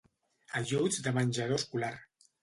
Ajuts de menjador escolar.